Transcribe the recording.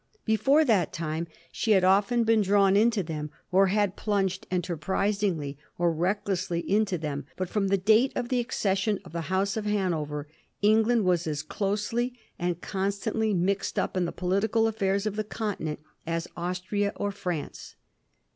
Before that time she had often been drawn into them, or had plunged enterprisingly or recklessly into them, but from the date of the accession of the House of Hanover Eng land was as closely and constantly mixed up in the political affairs of the Continent as Austria or France.